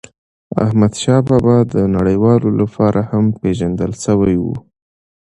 احمدشاه بابا د نړیوالو لپاره هم پېژندل سوی و.